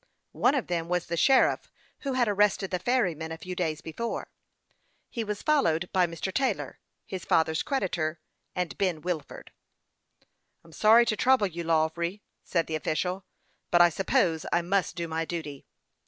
One of them was the sheriff who had arrested the ferryman a few days before. He was followed by Mr. Taylor, his father's creditor, and Ben Wilford. " I'm sorry to trouble you, Lawry," said the official, as he stepped .up to the young captain ;" but I suppose I must do my duty."